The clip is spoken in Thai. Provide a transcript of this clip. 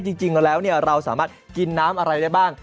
จริงแล้วเราสามารถกินน้ำอะไรได้บ้าง